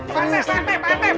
sampai sampai pak tipe